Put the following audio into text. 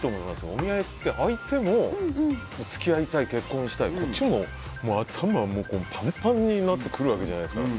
お見合いって相手も付き合いたい、結婚したいこっちも頭パンパンになってくるわけじゃないですか。